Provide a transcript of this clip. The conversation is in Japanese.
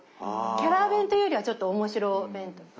キャラ弁というよりはちょっと面白弁当。